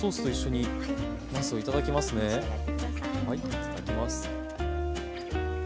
いただきます。